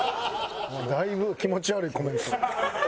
だいぶ気持ち悪いコメント。